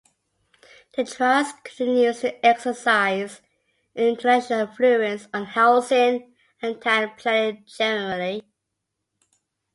The trust continues to exercise an international influence on housing and town planning generally.